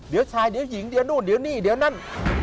เดี๋ยวชายเดี๋ยวหญิงเดี๋ยวนู่นเดี๋ยวนี่เดี๋ยวนั่น